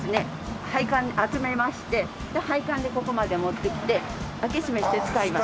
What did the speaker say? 配管に集めまして配管でここまで持ってきて開け閉めして使います。